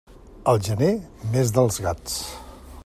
El gener, mes dels gats.